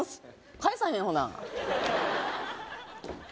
返さへんよな